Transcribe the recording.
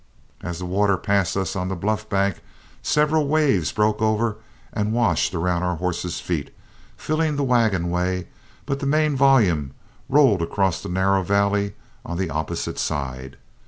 As the water passed us on the bluff bank, several waves broke over and washed around our horses' feet, filling the wagon way, but the main volume rolled across the narrow valley on the opposite side.